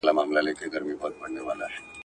موږ باید د ټولنیزو پدیدو بیا کتنه وکړو.